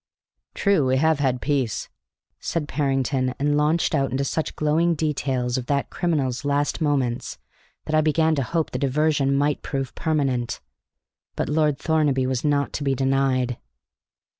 "True; we have had Peace," said Parrington, and launched out into such glowing details of that criminal's last moments that I began to hope the diversion might prove permanent. But Lord Thornaby was not to be denied.